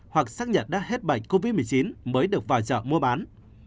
hoặc xét nghiệm đã hết bệnh covid một mươi chín mới được vào chợ mua bán